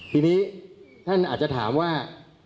ทีนี้ท่านอาจจะถามว่า